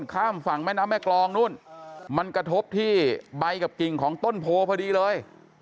ข้ามฝั่งแม่น้ำแม่กรองนู่นมันกระทบที่ใบกับกิ่งของต้นโพพอดีเลย